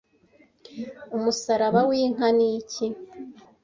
umusaraba w'inka ni iki